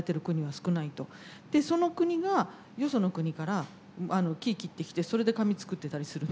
でその国がよその国から木切ってきてそれで紙作っていたりするんです。